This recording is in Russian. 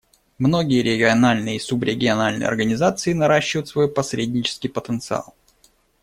Многие региональные и субрегиональные организации наращивают свой посреднический потенциал.